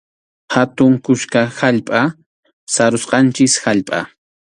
Hatun kuska allpa, sarusqanchik allpa.